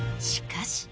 しかし。